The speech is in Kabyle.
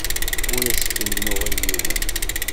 Ur as-kennut i yiwen.